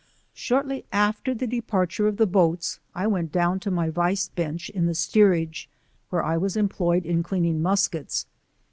Shortly after the departure of the boats, I went down to my vice bench in the steerage, where I was employed in cleaning muskets.